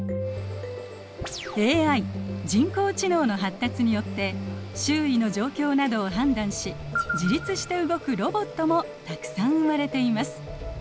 ＡＩ人工知能の発達によって周囲の状況などを判断し自律して動くロボットもたくさん生まれています。